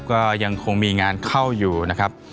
ก็ยังคงมีงานเข้าอยู่นะครับ